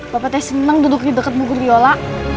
bapak teh seneng duduk di deket bu guruyola